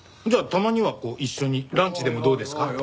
じゃあたまにはこう一緒にランチでもどうですか？